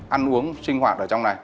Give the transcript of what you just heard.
ăn uống sinh hoạt ở trong này